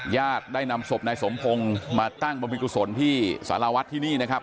ญาติได้นำศพนายสมพงศ์มาตั้งบรรพิกุศลที่สารวัฒน์ที่นี่นะครับ